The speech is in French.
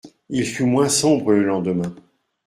Il fut moins sombre le lendemain.